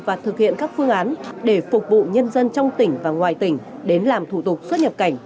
và thực hiện các phương án để phục vụ nhân dân trong tỉnh và ngoài tỉnh đến làm thủ tục xuất nhập cảnh